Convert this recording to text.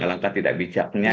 langkah tidak bijaknya